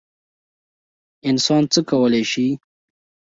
انسان څه کولی شي؟